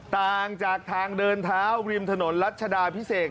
ต่างจากทางเดินเท้าริมถนนรัชดาพิเศษ